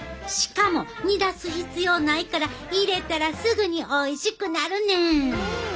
しかも煮出す必要ないから入れたらすぐにおいしくなるねん！